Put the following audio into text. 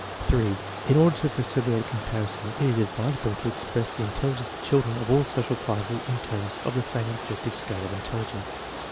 3. In order to facilitate comparison, it is advisable to express the intelligence of children of all social classes in terms of the same objective scale of intelligence.